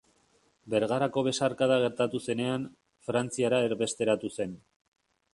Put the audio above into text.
Bergarako Besarkada gertatu zenean, Frantziara erbesteratu zen.